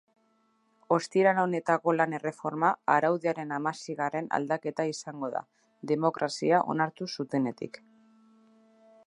Ostiral honetako lan-erreforma araudiaren hamaseigarren aldaketa izango da, demokrazia onartu zutenetik.